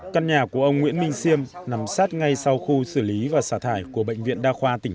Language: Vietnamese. căn nhà của ông nguyễn minh xiêm nằm sát ngay sau khu xử lý và xả thải của bệnh viện đa khoa tỉnh